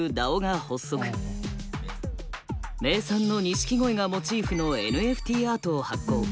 名産の錦鯉がモチーフのＮＦＴアートを発行。